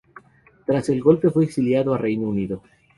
Tras el golpe fue exiliado a Reino Unido.